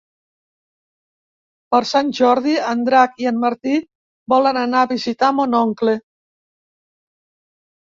Per Sant Jordi en Drac i en Martí volen anar a visitar mon oncle.